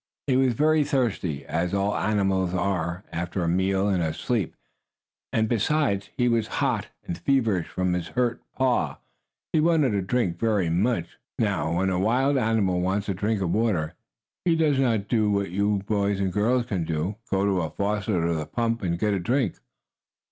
He was very thirsty, as all animals are after a meal and a sleep, and, besides, he was hot and feverish from his hurt paw. He wanted a drink very much. Now, when a wild animal wants a drink of water he does not do as you boys and girls can do go to a faucet or the pump and get a drink.